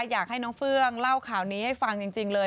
อยากให้น้องเฟื่องเล่าข่าวนี้ให้ฟังจริงเลย